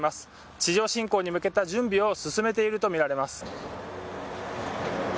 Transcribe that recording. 地上侵攻に向けた準備を進めていると見られます。